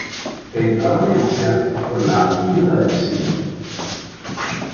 Entra a Valencia por la Avinguda del Cid.